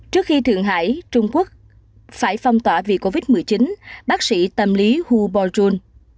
trước khi thượng hải trung quốc phải phong tỏa vì covid một mươi chín bác sĩ tâm lý hubojon